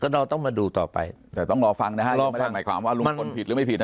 เราต้องมาดูต่อไปแต่ต้องรอฟังนะฮะเราไม่ได้หมายความว่าลุงพลผิดหรือไม่ผิด